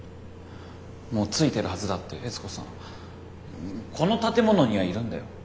もう着いてるはずだって悦子さん。この建物にはいるんだよ。